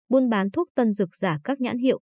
mua bán thuốc tân dược giả các nhãn hiệu